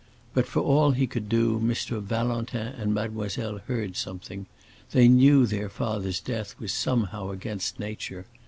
But for all he could do Mr. Valentin and Mademoiselle heard something; they knew their father's death was somehow against nature.